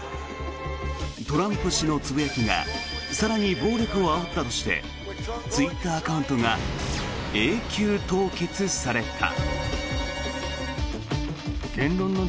トランプ氏のつぶやきが更に暴力をあおったとしてツイッターアカウントが永久凍結された。